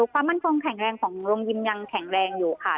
ความมั่นคงแข็งแรงของโรงยิมยังแข็งแรงอยู่ค่ะ